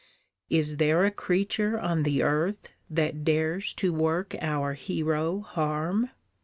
Is there a creature on the earth That dares to work our hero harm?